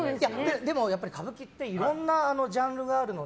でも、歌舞伎っていろんなジャンルがあるので。